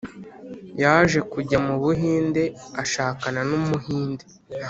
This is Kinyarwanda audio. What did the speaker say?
Yaje kujya mu buhinde ashakana numuhinde